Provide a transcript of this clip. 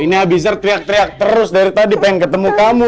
ini habis teriak teriak terus dari tadi pengen ketemu kamu